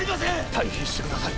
退避してください